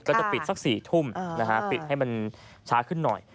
ก็จะปิดสัก๔ทุ่มปิดให้มันช้าขึ้นหน่อย